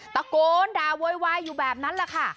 ตะโกนด่าโวยวายอยู่แบบนั้นแหละค่ะ